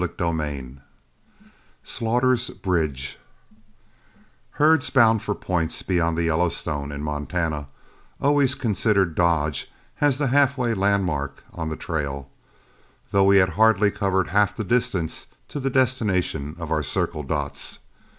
CHAPTER XIV SLAUGHTER'S BRIDGE Herds bound for points beyond the Yellowstone, in Montana, always considered Dodge as the halfway landmark on the trail, though we had hardly covered half the distance to the destination of our Circle Dots.